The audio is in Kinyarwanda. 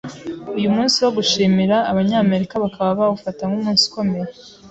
Uyu munsi wo gushimira, Abanyamerika bakaba bawufata nk’umunsi ukomeye